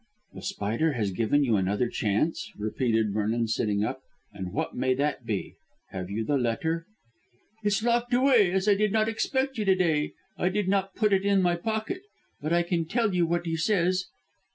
"The Spider has given you another chance," repeated Vernon sitting up. "And what may that be? Have you the letter?" "It's locked away. As I did not expect you to day I did not put it in my pocket. But I can tell you what he says."